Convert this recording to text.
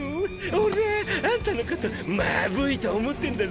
俺ぁあんたのことマブいと思ってんだぜぇ？